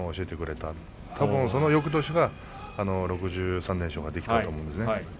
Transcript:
たぶん、そのよくとし６３連勝ができたと思うんですね。